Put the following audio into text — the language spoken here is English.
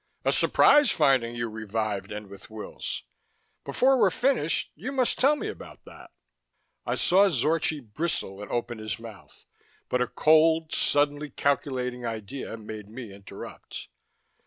A surprise, finding you revived and with Wills. Before we're finished, you must tell me about that." I saw Zorchi bristle and open his mouth, but a cold, suddenly calculating idea made me interrupt.